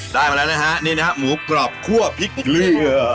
ได้มาแล้วนะฮะนี่นะฮะหมูกรอบคั่วพริกเกลือ